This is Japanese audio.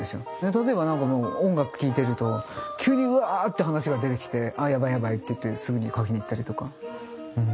例えば何かもう音楽聴いてると急にうわって話が出てきて「あやばいやばい」って言ってすぐに描きに行ったりとかうん。